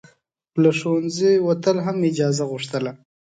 له ښوونځي وتل هم اجازه غوښتله.